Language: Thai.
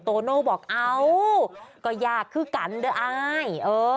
โตโน่บอกเอ้าก็ยากคือกันเด้ออาย